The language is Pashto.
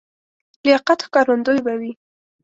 لیاقت ښکارندوی به وي.